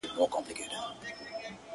زه له اوښکو سره ولاړم پر ګرېوان غزل لیکمه.!